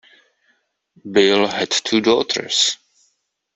Bill had two daughters.